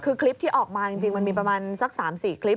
คือคลิปที่ออกมาจริงมันมีประมาณสัก๓๔คลิป